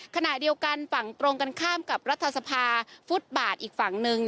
ขณะเดียวกันฝั่งตรงกันข้ามกับรัฐสภาฟุตบาทอีกฝั่งหนึ่ง